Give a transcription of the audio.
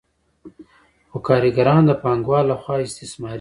خو کارګران د پانګوال له خوا استثمارېږي